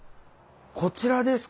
こちらですか？